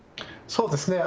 そうですね。